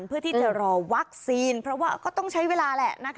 เพื่อที่จะรอวัคซีนเพราะว่าก็ต้องใช้เวลาแหละ